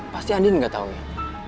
pasti andin enggak tau ya